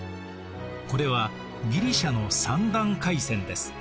これはギリシアの三段櫂船です。